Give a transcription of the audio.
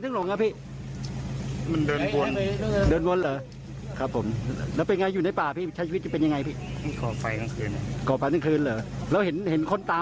เดี๋ยวฟังเสียงเขาเล่าหน่อยค่ะ